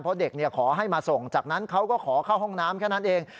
เพราะเด็กขอให้มาส่งจากนั้นเขาก็ขอเข้าห้องน้ำแค่นั้นเอง